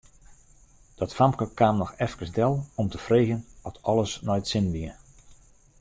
Dat famke kaam noch efkes del om te freegjen oft alles nei't sin wie.